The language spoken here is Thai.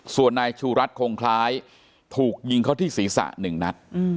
ส่วนนายชูรัฐคงคล้ายถูกยิงเขาที่ศีรษะ๑นัด